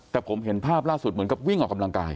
แต่ผมเห็นภาพล่าสุดเหมือนกับวิ่งออกกำลังกาย